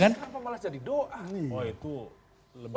kenapa malah jadi doa nih